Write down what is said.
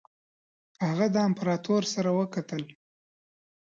هغه د امپراطور سره وکتل.